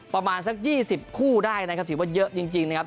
ประมาณสัก๒๐คู่ได้นะครับถือว่าเยอะจริงนะครับ